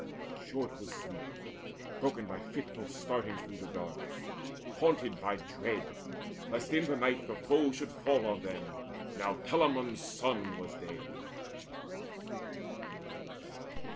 Short was sleep, Broken by fitful staring through the dark, Haunted by dread lest in the night the foe Should fall on them, now Telamon's son was dead.